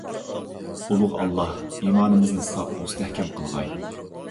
ئۇلۇغ ئاللاھ ئىمانىمىزنى ساپ، مۇستەھكەم قىلغاي!